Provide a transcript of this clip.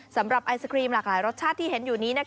ไอศครีมหลากหลายรสชาติที่เห็นอยู่นี้